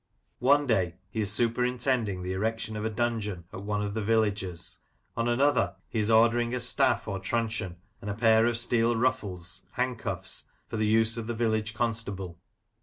One day he is superintending the erection of a dungeon at one of the villages; on another he is ordering a staff or truncheon, and a pair of "steel ruffles" (handcuffs), for the use of the village constable.